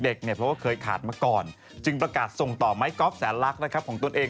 เพราะว่าเคยขาดมาก่อนจึงประกาศส่งต่อไม้ก๊อฟแสนลักษณ์นะครับของตนเอง